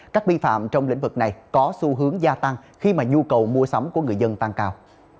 các vi phạm trong lĩnh vực này có xu hướng gia tăng khi mà nhu cầu mua sắm của người dân tăng cao